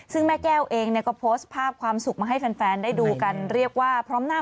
ซึ่งแม่แก้วเองเนี่ยก็โพสต์ภาพความสุขมาให้แฟนได้ดูกันเรียกว่าพร้อมหน้า